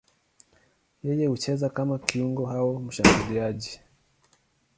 Yeye hucheza kama kiungo au mshambuliaji.